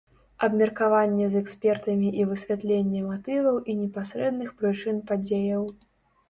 Абмеркаванне з экспертамі і высвятленне матываў і непасрэдных прычын падзеяў.